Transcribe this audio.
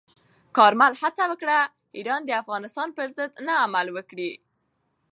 کارمل هڅه وکړه، ایران د افغانستان پر ضد نه عمل وکړي.